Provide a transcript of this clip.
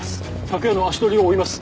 昨夜の足取りを追います。